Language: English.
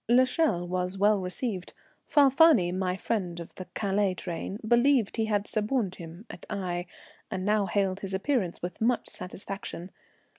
L'Echelle was well received. Falfani, my friend of the Calais train, believed he had suborned him at Aix, and now hailed his appearance with much satisfaction.